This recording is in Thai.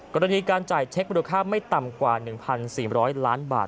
กรณีการจ่ายเช็คมูลค่าไม่ต่ำกว่า๑๔๐๐ล้านบาท